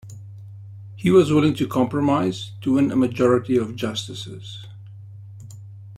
He was willing to compromise to win a majority of Justices.